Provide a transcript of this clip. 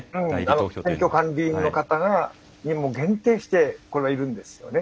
選挙管理委員の方に限定してこれはいるんですよね。